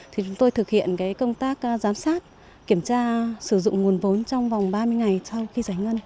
thì chúng tôi thực hiện công tác giám sát kiểm tra sử dụng nguồn vốn trong vòng ba mươi ngày sau khi giải ngân